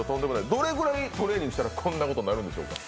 どれぐらいトレーニングしたらこんなことになるんでしょうか。